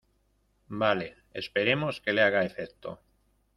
vale. esperemos que le haga efecto .